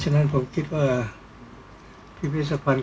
ก็ต้องทำอย่างที่บอกว่าช่องคุณวิชากำลังทำอยู่นั่นนะครับ